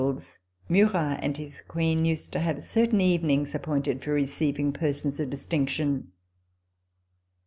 2i8 RECOLLECTIONS OF THE Murat and his Queen used to have certain evenings appointed for receiving persons of distinction.